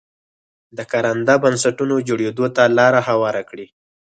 د کارنده بنسټونو جوړېدو ته لار هواره کړي.